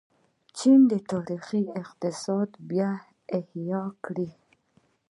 چین د تاریخي اقتصاد بیا احیا کړې.